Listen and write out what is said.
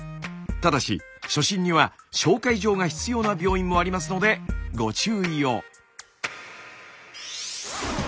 ただし初診には紹介状が必要な病院もありますのでご注意を。